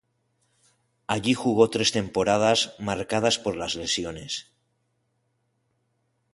Allí jugó tres temporada marcadas por las lesiones.